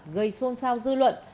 gây xôn xao dư luận